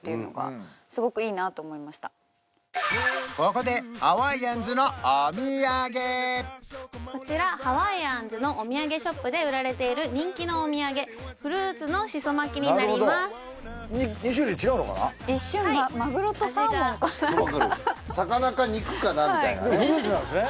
ここでこちらハワイアンズのお土産ショップで売られている人気のお土産フルーツのしそ巻きになりますなるほどでもフルーツなんですね？